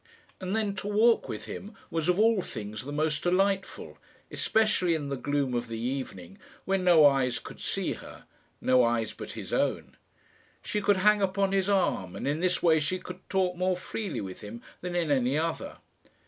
And then, to walk with him was of all things the most delightful, especially in the gloom of the evening, when no eyes could see her no eyes but his own. She could hang upon his arm, and in this way she could talk more freely with him than in any other.